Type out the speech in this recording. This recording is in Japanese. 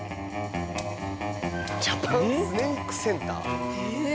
ジャパン・スネークセンター。